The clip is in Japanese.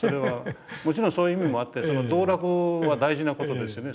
もちろんそういう意味もあってその道楽は大事な事ですよね。